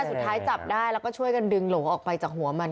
สุดท้ายจับได้แล้วก็ช่วยกันดึงโหลออกไปจากหัวมัน